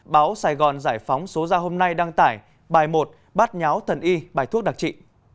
báo sài gòn giải phóng số ra hôm nay đăng tải bài một bát nháo thần y bài thuốc đặc trị